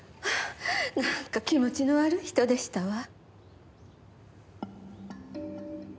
なんか気持ちの悪い人でしたわ。